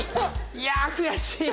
いや悔しい！